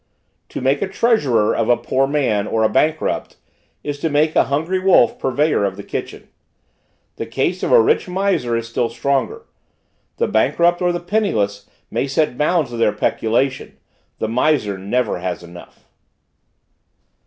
To make a treasurer of a poor man, or a bankrupt, is to make a hungry wolf purveyor of the kitchen. The case of a rich miser is still stronger; the bankrupt or the penniless may set bounds to their peculation; the miser never has enough.